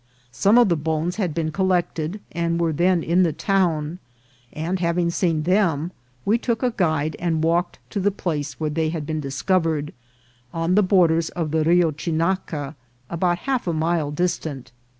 Some of the bones had been collected, and were then in the town, and having seen them, we took a guide and walked to the place where they had been discovered, on the borders of the Rio Chinaca, about half a mile distant.